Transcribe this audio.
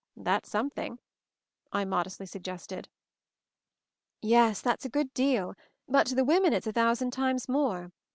"That's something," I modestly suggested. "Yes, that's a good deal ; but to the women it's a thousand times more.